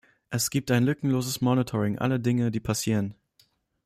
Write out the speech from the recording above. Es gibt ein lückenloses monitoring aller Dinge, die passieren.